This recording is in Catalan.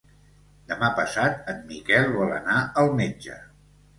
Demà passat en Miquel vol anar al metge.